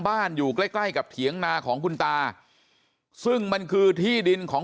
อยู่ใกล้ใกล้กับเถียงนาของคุณตาซึ่งมันคือที่ดินของ